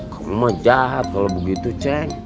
kamu mah jahat kalau begitu cik